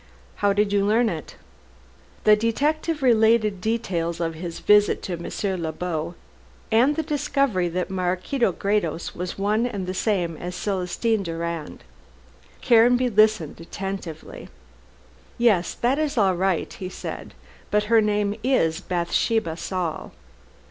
"How did you learn it?" The detective related details of his visit to Monsieur Le Beau and the discovery that Maraquito Gredos was one and the same as Celestine Durand. Caranby listened attentively. "Yes, that is all right," he said, "but her name is Bathsheba Saul."